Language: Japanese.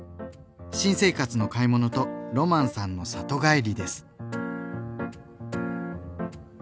新生活の買い物とロマンさんの里帰りです。